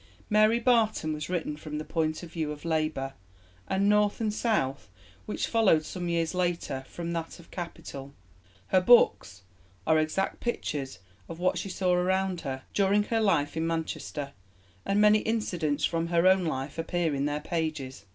Mary Barton was written from the point of view of labour, and North and South, which followed some years later, from that of capital. Her books are exact pictures of what she saw around her during her life in Manchester, and many incidents from her own life appear in their pages.